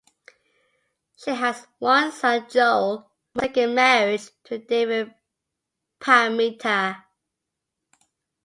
She has one son Joel from her second marriage to David Pammenter.